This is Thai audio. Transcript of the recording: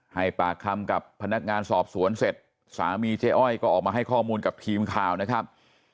ให้ปากคำกับพนักงานสอบสวนเสร็จสามีเจ๊อ้อยก็ออกมาให้ข้อมูลกับทีมข่าวนะครับ